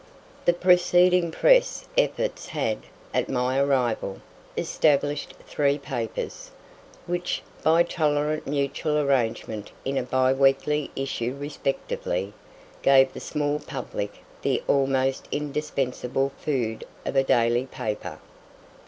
The preceding press efforts had, at my arrival, established three papers, which, by tolerant mutual arrangement in a bi weekly issue respectively, gave the small public the almost indispensable food of a daily paper.